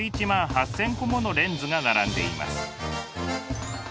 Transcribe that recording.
１１万８，０００個ものレンズが並んでいます。